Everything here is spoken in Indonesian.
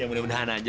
ya mudah mudahan aja